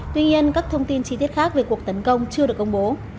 tuy nhiên các thông tin chi tiết khác về cuộc tấn công chưa được công bố